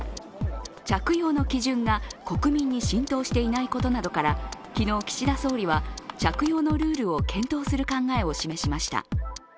着用の基準が国民に浸透していないことなどから昨日、岸田総理は着用のルールを検討する考えを示しました。